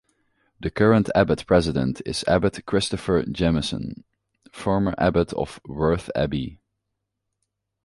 The current Abbot President is Abbot Christopher Jamison, former Abbot of Worth Abbey.